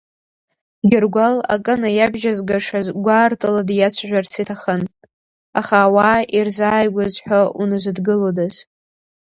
Гьыргәал акы наиабжьазгашаз гәаартыла диацәажәарц иҭахын, аха ауаа ирзааигәаз ҳәа уназыдгылодаз?